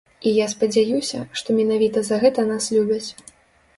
І я спадзяюся, што менавіта за гэта нас любяць.